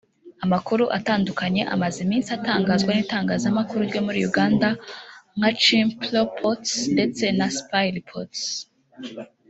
Amakuru atandukanye amaze iminsi atangazwa n’itangazamakuru ryo muri Uganda nka Chimpreports ndetse na Spyreports